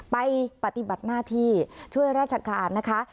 ปฏิบัติหน้าที่ช่วยราชการนะคะ